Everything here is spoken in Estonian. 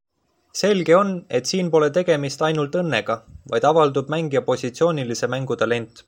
Selge on, et siin pole tegemist ainult õnnega, vaid avaldub mängija positsioonilise mängu talent.